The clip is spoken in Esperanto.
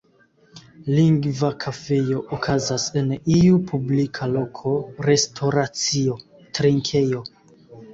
Lingva kafejo okazas en iu publika loko, restoracio, trinkejo.